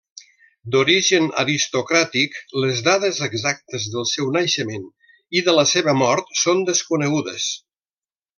D'origen aristocràtic, les dades exactes del seu naixement i de la seva mort són desconegudes.